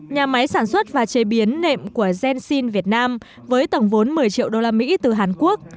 nhà máy sản xuất và chế biến nệm của zenshin việt nam với tổng vốn một mươi triệu đô la mỹ từ hàn quốc